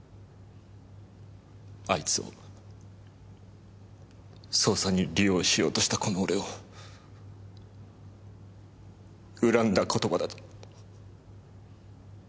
あいつを捜査に利用しようとしたこの俺を恨んだ言葉だと。